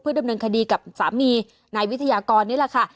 ดำเนินคดีกับสามีนายวิทยากรนี่แหละค่ะ